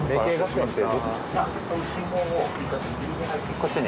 こっちに？